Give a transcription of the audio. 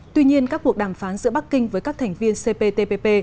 tuy nhiên các cuộc đàm phán giữa bắc kinh với các thành viên cptpp